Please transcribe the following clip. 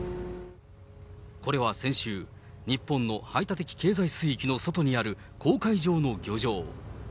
これは先週、日本の排他的経済水域の外にある公海上の漁場。